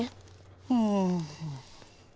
うん。